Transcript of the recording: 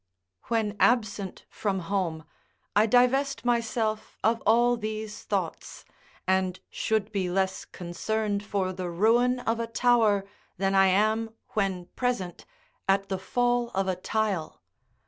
When absent from home, I divest myself of all these thoughts, and should be less concerned for the ruin of a tower, than I am, when present, at the fall of a tile.